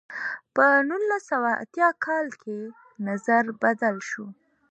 په نولس سوه اتیا کال کې نظر بدل شو.